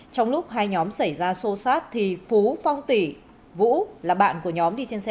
trong lúc hai nhóm xảy ra xô xát thì phú phong tỷ vũ là bạn của nhóm đi trên xe